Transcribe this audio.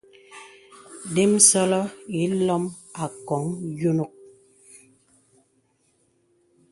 Dīmə̄sɔlɔ ilom àkɔ̀n yònok.